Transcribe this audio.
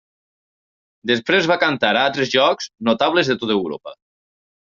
Després va cantar a altres llocs notables de tot Europa.